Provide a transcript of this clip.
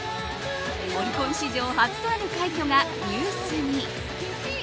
オリコン史上初となる快挙がニュースに。